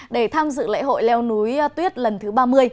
để tham dự lễ hội leo núi tuyết lần thứ ba mươi